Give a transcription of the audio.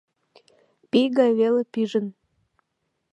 Пий гай веле пижын.